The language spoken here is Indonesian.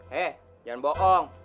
hei jangan bohong